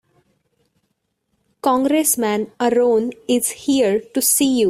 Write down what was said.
Congressman Aaron is here to see you.